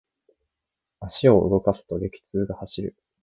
足を動かすと、激痛が走る。